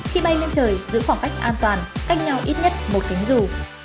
khi bay lên trời giữ khoảng cách an toàn cách nhau ít nhất một cánh rù